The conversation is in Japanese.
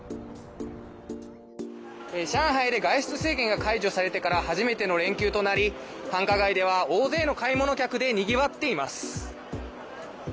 上海で外出制限が解除されてから初めての連休となり繁華街では大勢の買い物客でにぎわっています。